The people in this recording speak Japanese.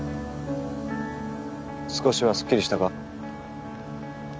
少しはすっきりしたか？